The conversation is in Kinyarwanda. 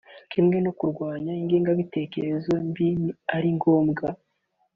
kimwe no kurwanya ingengabitekerezo mbi ari ngombwa